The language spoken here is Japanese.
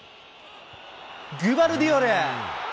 グバルディオル。